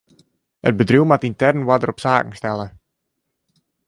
It bedriuw moat yntern oarder op saken stelle.